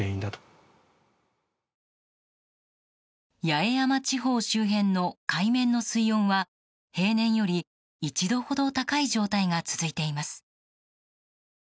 八重山地方周辺の海面の水温は平年より１度ほど高い状態が続いています。